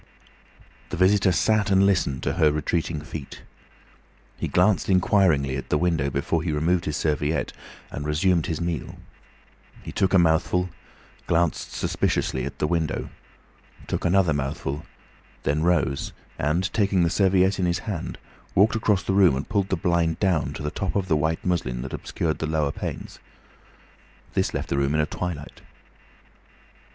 The visitor sat and listened to her retreating feet. He glanced inquiringly at the window before he removed his serviette, and resumed his meal. He took a mouthful, glanced suspiciously at the window, took another mouthful, then rose and, taking the serviette in his hand, walked across the room and pulled the blind down to the top of the white muslin that obscured the lower panes. This left the room in a twilight.